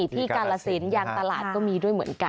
กาลสินยางตลาดก็มีด้วยเหมือนกัน